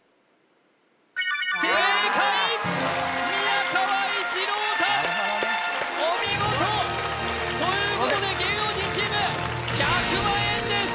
なるほどねお見事！ということで芸能人チーム１００万円です！